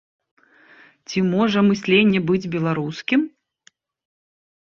Ці можа мысленне быць беларускім?